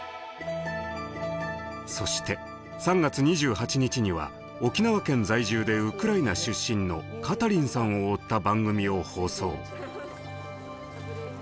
そして３月２８日には沖縄県在住でウクライナ出身のカタリンさんを追った番組を放送。